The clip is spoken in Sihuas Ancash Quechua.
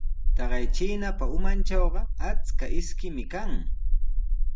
Taqay chiinapa umantrawqa achka ishkimi kan.